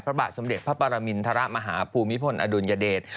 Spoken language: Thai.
พระบาทสมเด็จพระปรมินทรมาฮภูมิพลอดุลยเดช